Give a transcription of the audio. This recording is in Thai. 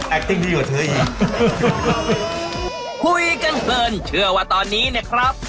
แอกติ่งดีกว่าเธออี